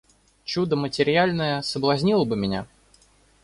Чудо матерьяльное соблазнило бы меня.